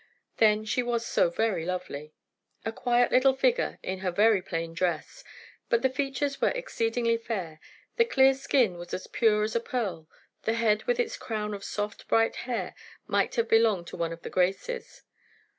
Then she was so very lovely. A quiet little figure, in her very plain dress; but the features were exceedingly fair, the clear skin was as pure as a pearl, the head with its crown of soft bright hair might have belonged to one of the Graces.